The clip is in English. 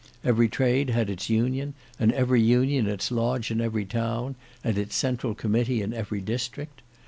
Every trade had its union, and every union its lodge in every town, and its central committee in every district.